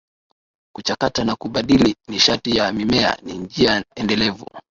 Kuchakata na kubadili nishati ya mimea ni njia endelevu